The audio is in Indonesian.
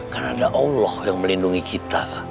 karena ada allah yang melindungi kita